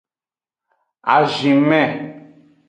Azinme.